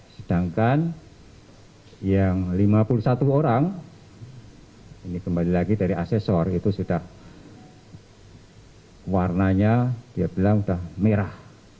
sedangkan yang lima puluh satu orang ini kembali lagi dari asesor itu sudah warnanya dia bilang sudah merah